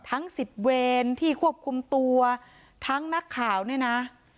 ทั้ง๑๐เวรที่ควบคุมตัวทั้งนักข่าวเนี่ยนะ